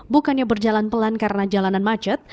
bukannya berjalan pelan karena jalanan macet